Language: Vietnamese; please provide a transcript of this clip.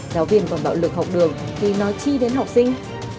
giáo viên còn bạo lực học đường khi nói chi đến học sinh